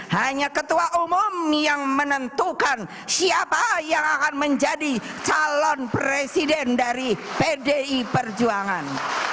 hanya ketua umum yang menentukan siapa yang akan menjadi calon presiden dari pdi perjuangan